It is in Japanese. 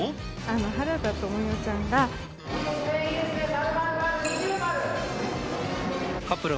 原田知世ちゃんが。